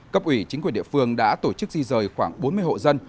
cấp ủy chính quyền địa phương đã tổ chức di rời khoảng bốn mươi hộ dân